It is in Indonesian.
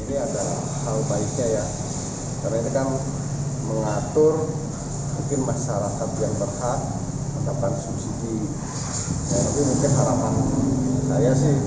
ini adalah hal baiknya ya karena ini kan mengatur mungkin masyarakat yang berhak mendapatkan subsidi